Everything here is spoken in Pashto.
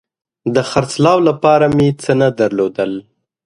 د خرڅلاو دپاره مې څه نه درلودل